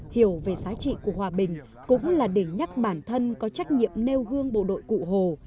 hiểu về giá trị của hòa bình cũng là để nhắc bản thân có trách nhiệm nêu gương bộ đội cụ hồ